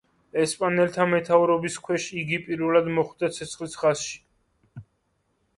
ესპანელთა მეთაურობის ქვეშ, იგი პირველად მოხვდა ცეცხლის ხაზში.